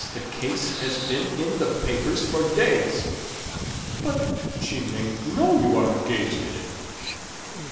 the case has been in the papers for days." "But she mayn't know you are engaged in it."